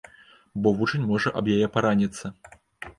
Бо вучань можа аб яе параніцца.